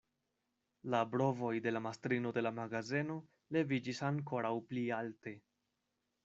La brovoj de la mastrino de la magazeno leviĝis ankoraŭ pli alte.